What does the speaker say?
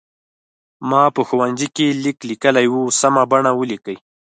ما په ښوونځي کې لیک لیکلی و سمه بڼه ولیکئ.